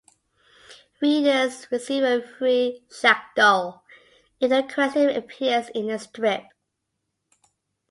Readers receive a free Shagg doll if their question appears in the strip.